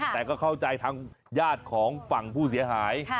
แต่ก็เข้าใจทางญาติของฝั่งผู้เสียหาย